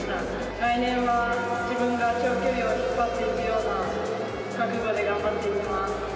来年は自分が長距離を引っ張っていくような覚悟で頑張っていきます。